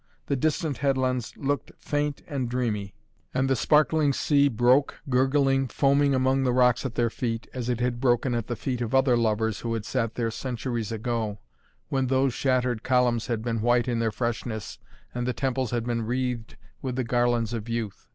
The distant headlands looked faint and dreamy, and the sparkling sea broke, gurgling, foaming among the rocks at their feet, as it had broken at the feet of other lovers who had sat there centuries ago, when those shattered columns had been white in their freshness and the temples had been wreathed with the garlands of youth.